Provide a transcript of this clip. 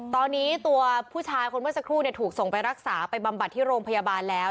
ตอนนี้ตัวผู้ชายคนเมื่อสักครู่ถูกส่งไปรักษาไปบำบัดที่โรงพยาบาลแล้ว